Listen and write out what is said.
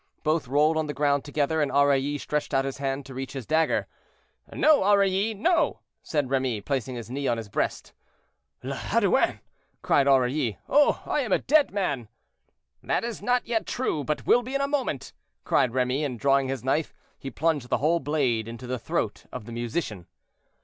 Both rolled on the ground together, and Aurilly stretched out his hand to reach his dagger. "No, Aurilly, no," said Remy, placing his knee on his breast. "Le Haudoin!" cried Aurilly; "oh, I am a dead man!" "That is not yet true, but will be in a moment," cried Remy; and drawing his knife, he plunged the whole blade into the throat of the musician.